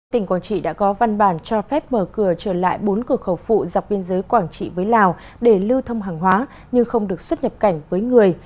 tỉnh quảng trị đã có văn bản cho phép mở cửa trở lại bốn cửa khẩu phụ dọc biên giới quảng trị với lào để lưu thông hàng hóa nhưng không được xuất nhập cảnh với người